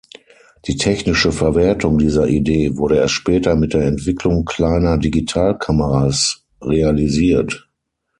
Die technische Verwertung dieser Idee wurde erst später mit der Entwicklung kleiner Digitalkameras realisiert.